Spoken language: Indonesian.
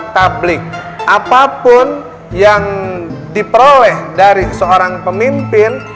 publik apapun yang diperoleh dari seorang pemimpin